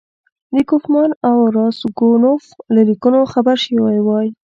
د کوفمان او راسګونوف له لیکونو خبر شوی وای.